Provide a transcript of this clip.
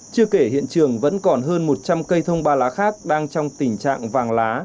chưa kể hiện trường vẫn còn hơn một trăm linh cây thông ba lá khác đang trong tình trạng vàng lá